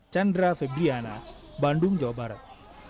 chandra febriana bandung jawa barat